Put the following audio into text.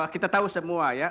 kita tahu semua ya